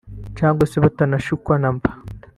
cyangwa se batanashyukwa namba